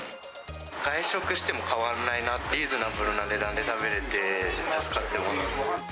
外食しても変わんないなって、リーズナブルな値段で食べれて、助かってます。